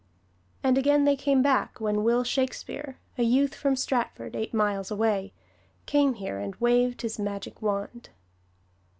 And again they came back when Will Shakespeare, a youth from Stratford, eight miles away, came here and waved his magic wand.